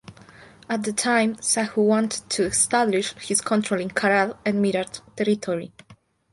At that time Shahu wanted to establish his control in Karad and Miraj territory.